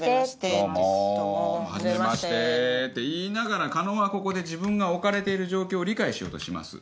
「どうもはじめまして」って言いながら狩野はここで自分が置かれている状況を理解しようとします。